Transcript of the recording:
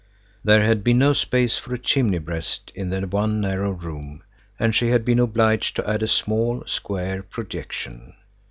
There had been no space for a chimney breast in the one narrow room and she had been obliged to add a small, square projection.